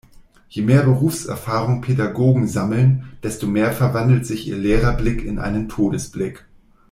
Je mehr Berufserfahrung Pädagogen sammeln, desto mehr verwandelt sich ihr Lehrerblick in einen Todesblick.